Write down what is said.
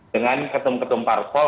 dengan ketum ketum parpol